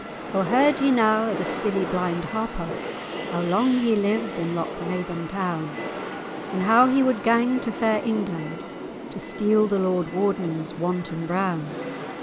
"O heard ye na o' the silly blind Harper, How long he lived in Lochmaben town? And how he wad gang to fair England, To steal the Lord Warden's Wanton Brown?